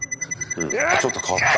ちょっと変わった。